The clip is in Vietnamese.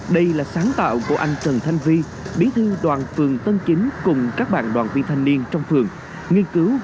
đây là sáng tạo của anh trần thanh vi bí thư đoàn phường tân chính cùng các bạn đoàn viên thanh niên trong phường nghiên cứu